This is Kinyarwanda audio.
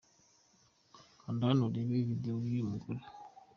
Kanda hano urebe videwo yuyu mugore.